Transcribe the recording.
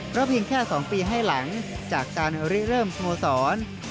เพราะเพียงแค่๒ปีให้หลังจากการริเริ่มสโมสร